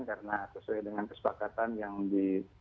karena sesuai dengan kesepakatan yang dimediasi oleh pak